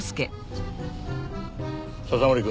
笹森君。